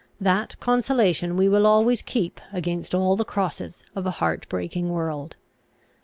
That consolation we will always keep against all the crosses of a heart breaking world.